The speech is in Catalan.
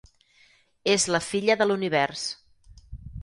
És la filla de l'univers.